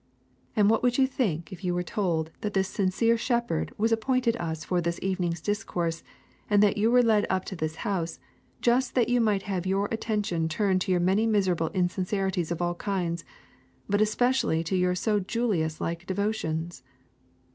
And what would you think if you were told that this Sincere shepherd was appointed us for this evening's discourse, and that you were led up to this house, just that you might have your attention turned to your many miserable insincerities of all kinds, but especially to your so Julius like devotions?